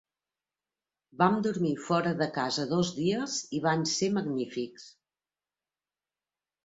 Vam dormir fora de casa dos dies i van ser magnífics.